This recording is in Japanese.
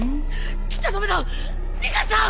来ちゃダメだ里香ちゃん！